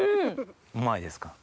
うまいですか？